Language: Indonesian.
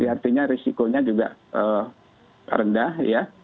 artinya risikonya juga rendah ya